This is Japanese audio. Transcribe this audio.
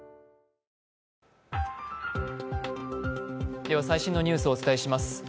では、最新のニュースをお伝えします。